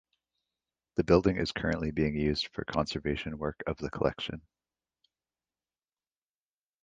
The building is currently being used for conservation work of the collection.